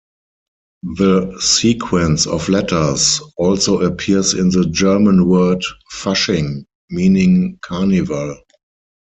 The sequence of letters also appears in the German word Fasching, meaning carnival.